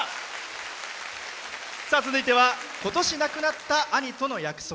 続いては今年、亡くなった兄との約束。